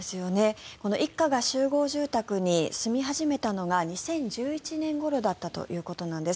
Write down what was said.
この一家が集合住宅に住み始めたのが２０１１年ごろだったということなんです。